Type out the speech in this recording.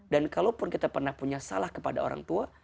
dan kalaupun kita pernah punya salah kepada orang tua